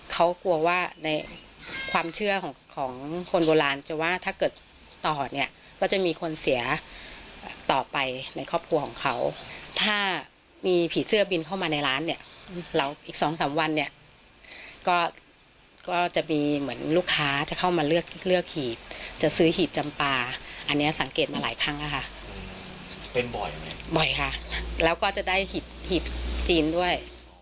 เขากลัวว่าในความเชื่อของของคนโบราณจะว่าถ้าเกิดต่อเนี่ยก็จะมีคนเสียต่อไปในครอบครัวของเขาถ้ามีผีเสื้อบินเข้ามาในร้านเนี่ยเราอีกสองสามวันเนี่ยก็จะมีเหมือนลูกค้าจะเข้ามาเลือกเลือกหีบจะซื้อหีบจำปลาอันนี้สังเกตมาหลายครั้งแล้วค่ะเป็นบ่อยบ่อยค่ะแล้วก็จะได้หีบหีบจีนด้วย